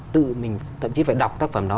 tự mình thậm chí phải đọc tác phẩm đó